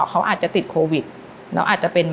เขาอาจจะติดโควิดแล้วอาจจะเป็น